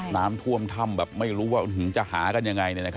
น้ำท่วมถ้ำแบบไม่รู้ว่าจะหากันยังไง